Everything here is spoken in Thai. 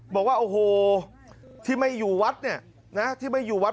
บอกว่าโอ้โหที่ไม่อยู่วัดเนี่ยนะที่ไม่อยู่วัด